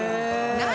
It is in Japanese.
何？